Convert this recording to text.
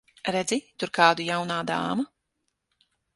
Redzi tur kādu, jaunā dāma?